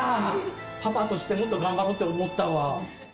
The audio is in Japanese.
パパとしてもっと頑張ろうって思ったわ。